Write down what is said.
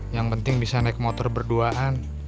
yang penting bisa naik motor berduaan